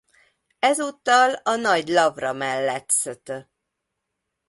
Ezúttal a Nagy Lavra mellett Szt.